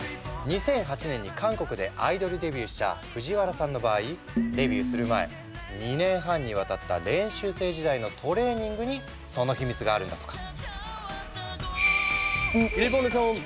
２００８年に韓国でアイドルデビューした藤原さんの場合デビューする前２年半にわたった練習生時代のトレーニングにその秘密があるんだとか。